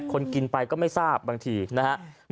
คนกินไปก็ไม่ทราบบางทีนะครับ